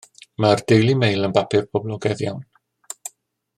Mae'r Daily Mail yn bapur poblogaidd iawn.